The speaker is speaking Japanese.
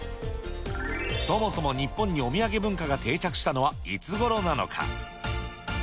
そもそも日本にお土産文化が定着したのはいつごろなのか。